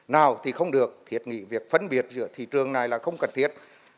nào thì không được thiết nghĩ việc phân biệt giữa thị trường này là không cần thiết